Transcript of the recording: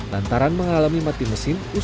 lantaran mengalami mati mesin